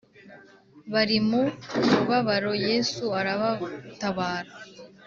Bari mu mubabaro yesu arabatabara